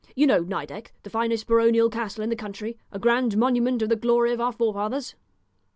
You know Nideck, the finest baronial castle in the country, a grand monument of the glory of our forefathers?"